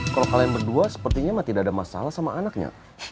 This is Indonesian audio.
kalau kalian berdua sepertinya tidak ada masalah sama anaknya